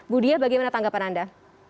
bu diah bagaimana tanggapan anda